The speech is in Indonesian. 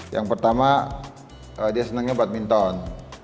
yang pertama dia senangnya badminton